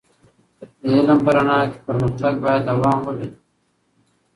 د علم په رڼا کې پر مختګ باید دوام ولري.